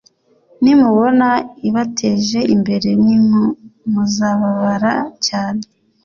nimubona ibateje imbere nimu muzababara cyane